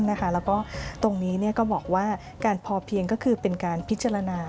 แล้วก็ตรงนี้ก็บอกว่าการพอเพียงก็คือเป็นการพิจารณา